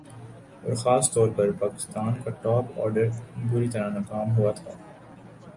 اور خاص طور پر پاکستان کا ٹاپ آرڈر بری طرح ناکام ہوا تھا